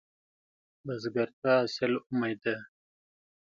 بزګر ته حاصل امید دی